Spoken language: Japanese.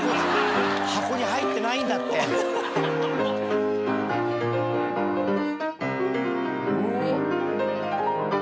箱に入ってないんだって。うわ。